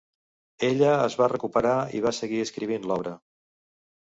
Ella es va recuperar i va seguir escrivint l'obra.